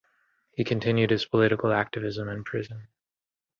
He continued his political activism in prison.